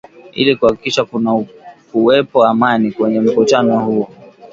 ili kuhakikisha kunakuwepo Amani kwenye mkutano huo